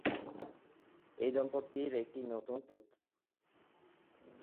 এই দম্পতির একটি পুত্র সন্তান আছে, যার নাম "পৃথ্বী বিশ্বাস"।